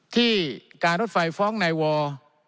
ที่การรถไฟฟ้องนายวอร์